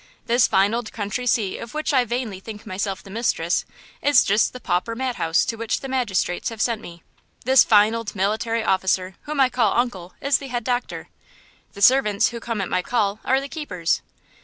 This fine old country seat of which I vainly think myself the mistress, is just the pauper madhouse to which the magistrates have sent me. This fine old military officer whom I call uncle is the head doctor. The servants who come at my call are the keepers.